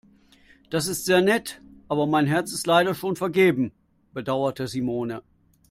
Das ist sehr nett, aber mein Herz ist leider schon vergeben, bedauerte Simone.